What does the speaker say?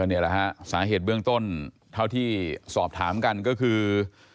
นี่แหละฮะสาเหตุเบื้องต้นเท่าที่สอบถามกันก็คือ